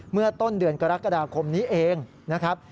เมื่อต้นเดือนกรกฎาคมนี้เองนะครับ